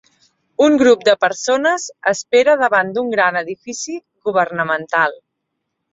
Un grup de persones espera davant d'un gran edifici governamental.